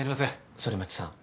反町さん。